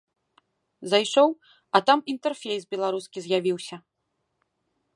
Зайшоў, а там інтэрфейс беларускі з'явіўся.